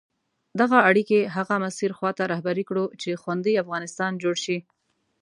دغه اړیکي هغه مسیر خواته رهبري کړو چې خوندي افغانستان جوړ شي.